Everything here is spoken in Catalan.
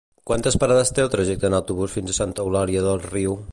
Quantes parades té el trajecte en autobús fins a Santa Eulària des Riu?